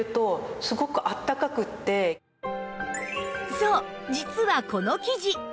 そう実はこの生地